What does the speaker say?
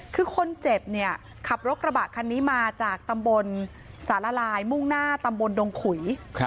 คือคนเจ็บเนี่ยขับรถกระบะคันนี้มาจากตำบลสารลายมุ่งหน้าตำบลดงขุย